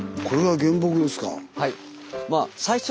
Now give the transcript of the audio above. これが原木ですか。